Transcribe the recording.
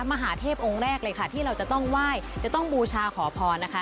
มหาเทพองค์แรกเลยค่ะที่เราจะต้องไหว้จะต้องบูชาขอพรนะคะ